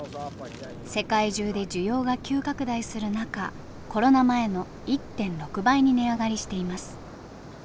世界中で需要が急拡大する中コロナ前の１．６倍に値上がりしています。